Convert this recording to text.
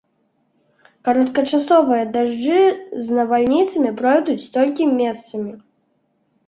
Кароткачасовыя дажджы з навальніцамі пройдуць толькі месцамі.